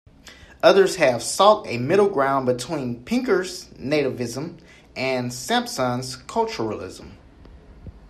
Others have sought a middle ground between Pinker's nativism and Sampson's culturalism.